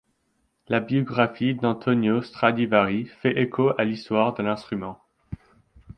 La biographie d'Antonio Stradivari fait écho à l'histoire de l'instrument.